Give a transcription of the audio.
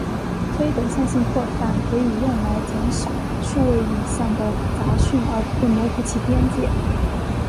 非等向性扩散可以用来减少数位影像的杂讯而不会模糊其边界。